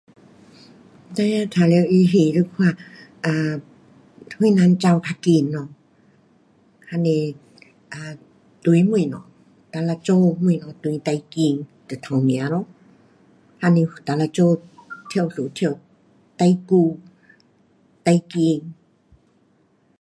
孩儿玩耍游戏得看 um 谁人跑较快咯。还是堆东西，哪一个组东西堆最快，就头名咯。还是那一组跳绳跳最久最快。